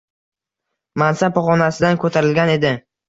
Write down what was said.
Mansab pog’onasidan ko’tarilgan edi